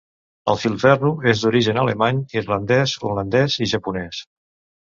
El filferro és d'origen alemany, irlandès, holandès i japonès.